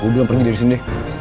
gue bilang pergi dari sini deh